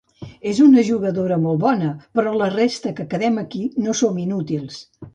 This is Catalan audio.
És una jugadora molt bona, però la resta que quedem aquí no som inútils.